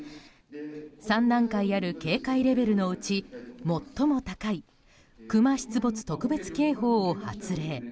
３段階ある警戒レベルのうち最も高いクマ出没特別警報を発令。